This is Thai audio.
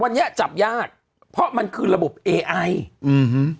วันนี้จับยากเพราะมันคือระบบเอไออืม